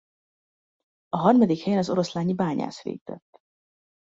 A harmadik helyen a Oroszlányi Bányász végzett.